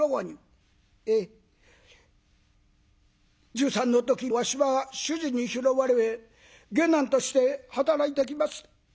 １３の時わしは主人に拾われ下男として働いてきました。